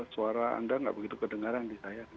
suara anda nggak begitu kedengaran di saya